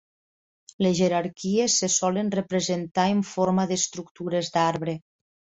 Les jerarquies se solen representar en forma d'estructures d'arbre.